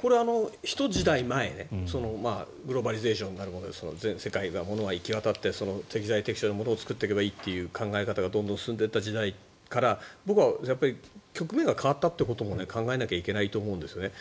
これ、ひと時代前グローバリゼーションで全世界が物が行き渡って適材適所で物を作っていけばいいという考え方がどんどん進んでいった時代から僕は局面が変わったということも考えないといけないと思うんです。